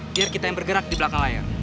biar kita yang bergerak di belakang layar